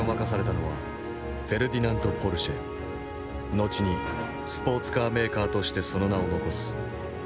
後にスポーツカーメーカーとしてその名を残す天才エンジニアである。